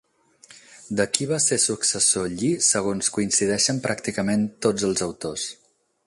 De qui va ser successor Lli segons coincideixen pràcticament tots els autors?